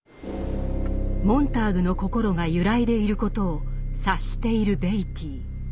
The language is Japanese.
モンターグの心が揺らいでいることを察しているベイティー。